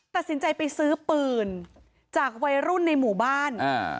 ตัดสินใจไปซื้อปืนจากวัยรุ่นในหมู่บ้านอ่า